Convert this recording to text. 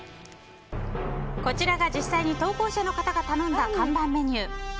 こちらが実際に投稿者の方が頼んだ看板メニュー。